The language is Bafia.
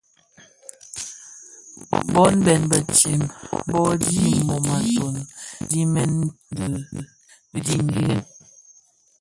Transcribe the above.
Bon bèn betsem bō dhi mum a toň dhimèè dii a dhirèn.